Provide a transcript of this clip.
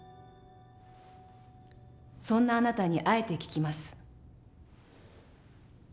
そんなあなたにあえて聞きます。